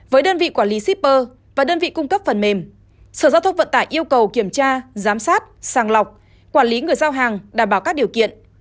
với đơn vị quản lý shipper và đơn vị cung cấp phần mềm sở giao thông vận tải yêu cầu kiểm tra giám sát sàng lọc quản lý người giao hàng đảm bảo các điều kiện